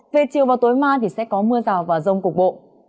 về chiều và tối mai thì sẽ có mưa rào và rông cục bộ